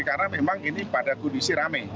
karena memang ini pada kondisi rame